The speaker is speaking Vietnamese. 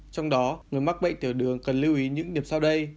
trong đó người mắc bệnh tiểu đường cần lưu ý những điểm sau đây